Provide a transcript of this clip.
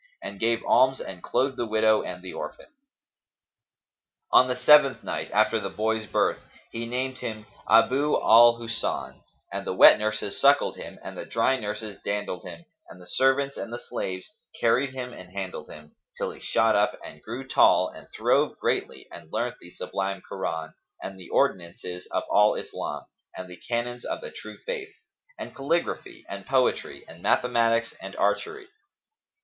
and gave alms and clothed the widow and the orphan. On the seventh night after the boy's birth, he named him Abu al Husn,[FN#282] and the wet nurses suckled him and the dry nurses dandled him and the servants and the slaves carried him and handled him, till he shot up and grew tall and throve greatly and learnt the Sublime Koran and the ordinances of Al Islam and the Canons of the True Faith; and calligraphy and poetry and mathematics and archery.